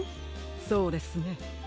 そうですね。